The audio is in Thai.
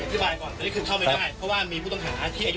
เข้าไปเนี่ยก็จะเป็นโต๊ะนั่งดื่มกินมีอาหารมีเหล้าเบียร์นะครับ